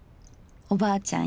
おばあちゃん